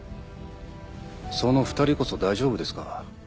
その２人こそ大丈夫ですか？